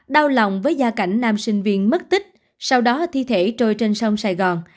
đau lòng với gia cảnh nam sinh viên mất tích sau đó thi thể trôi trên sông sài gòn